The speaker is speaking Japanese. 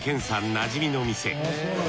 なじみの店。